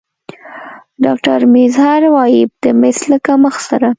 ډاکتر میزهر وايي د مس له کمښت سره